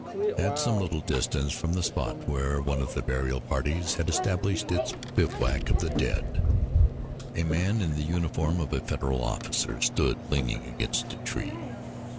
At some little distance from the spot where one of the burial parties had established its "bivouac of the dead," a man in the uniform of a Federal officer stood leaning against a tree.